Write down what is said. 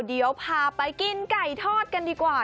เดี๋ยวพาไปกินไก่ทอดกันดีกว่า